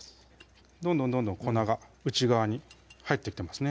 どんどんどんどん粉が内側に入ってきてますね